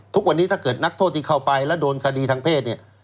ทุกวันนี้ถ้าเกิดนักโทษที่เข้าไปแล้วโดนคดีทางเพศเนี่ย